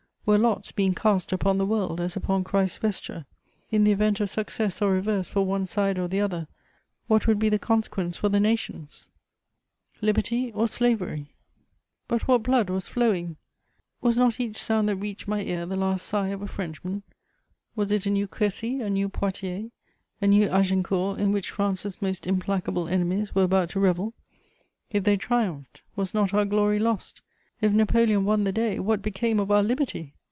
Were lots being cast upon the world, as upon Christ's vesture? In the event of success or reverse for one side or the other, what would be the consequence for the nations: liberty or slavery? But what blood was flowing! Was not each sound that reached my ear the last sigh of a Frenchman? Was it a new Crécy, a new Poitiers, a new Agincourt, in which France's most implacable enemies were about to revel? If they triumphed, was not our glory lost? If Napoleon won the day, what became of our liberty?